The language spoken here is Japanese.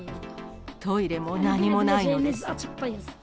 トイレも何もないのです。